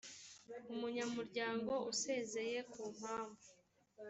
umunyamuryango usezeye ku mpamvu